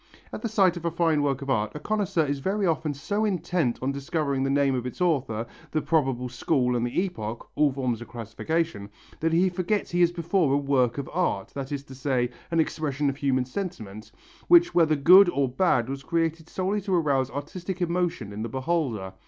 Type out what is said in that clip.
At the sight of a fine work of art, a connoisseur is very often so intent upon discovering the name of its author, the probable school and the epoch all forms of classification that he forgets he is before a work of art, that is to say, an expression of human sentiment, which whether good or bad was created solely to arouse artistic emotion in the beholder.